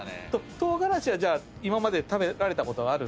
トウガラシはじゃあ今まで食べられたことがある？